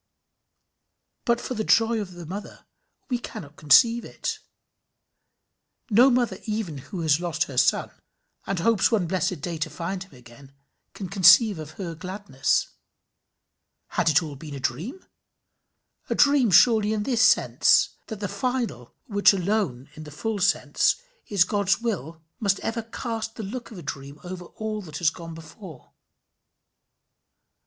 But for the joy of the mother, we cannot conceive it. No mother even who has lost her son, and hopes one blessed eternal day to find him again, can conceive her gladness. Had it been all a dream? A dream surely in this sense, that the final, which alone, in the full sense, is God's will, must ever cast the look of a dream over all that has gone before.